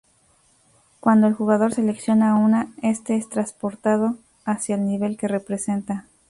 Cuando el jugador selecciona una, este es transportado hacia el nivel que representa.